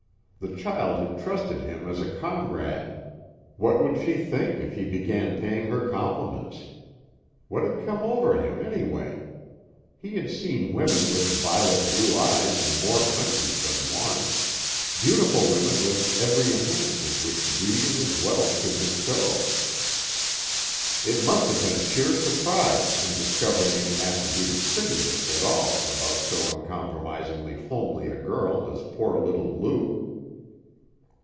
The child had trusted him as a comrade; what would she think if he began paying her compliments? What had come over him, anyway? He had seen women with violet blue eyes in more countries than one; beautiful women with every enhancement which breeding and wealth could bestow. It must have been sheer surprise in discovering any attribute of prettiness at all about so uncompromisingly homely a girl as poor little Lou.